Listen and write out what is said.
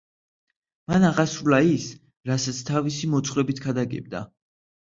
მან აღასრულა ის, რასაც თავისი მოძღვრებით ქადაგებდა.